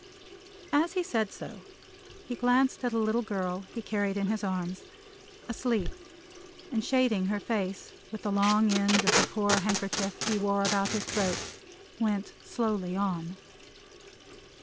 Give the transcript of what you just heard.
As he said so, he glanced at a little girl he carried in his arms, asleep, and shading her face with the long end of the poor handkerchief he wore about his throat, went slowly on.